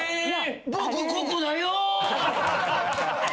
「僕ここだよ」